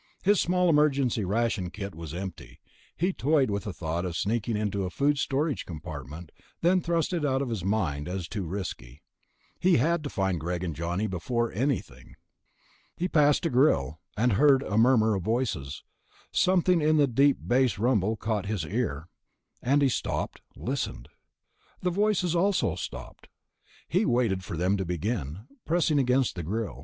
His small emergency ration kit was empty. He toyed with the thought of sneaking into a food storage compartment, then thrust it out of his mind as too risky. He had to find Greg and Johnny before anything. He passed a grill, and heard a murmur of voices; something in the deep bass rumble caught his ear, and he stopped, listened. The voices stopped also. He waited for them to begin, pressing against the grill.